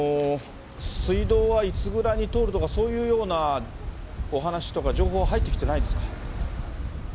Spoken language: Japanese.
水道はいつぐらいに通るとか、そういうようなお話とか、情報は入ってきてないんですか。